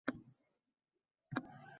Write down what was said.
Uchinchi qavatda ustozga yetib oldim